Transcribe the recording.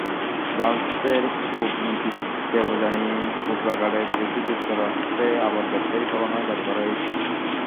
ভারতের কূটনীতিক দেবযানী খোবরাগাড়ের বিরুদ্ধে যুক্তরাষ্ট্রে আবার গ্রেপ্তারি পরোয়ানা জারি করা হয়েছে।